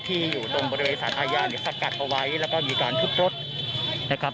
อยู่ตรงบริเวณสารอาญาเนี่ยสกัดเอาไว้แล้วก็มีการทุบรถนะครับ